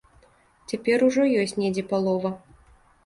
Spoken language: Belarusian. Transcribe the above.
Цяпер ужо ёсць недзе палова.